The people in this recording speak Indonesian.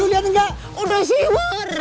lu lihat enggak udah siwar